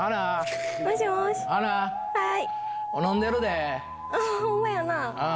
はい。